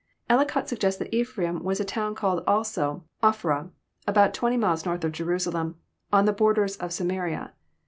Ellicott suggests that Ephraim was a town called also Ophrah, About twenty miles north of Jerusalem, on the borders of Sama ria.